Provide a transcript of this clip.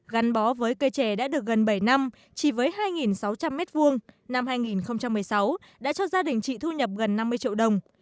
gắn bó với cây trẻ đã được gần bảy năm chỉ với hai sáu trăm linh m hai năm hai nghìn một mươi sáu đã cho gia đình chị thu nhập gần năm mươi triệu đồng